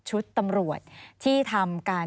ชุดตำรวจที่ทำการ